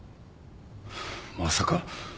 まさか。